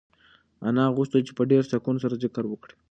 انا غوښتل چې په ډېر سکون سره ذکر وکړي.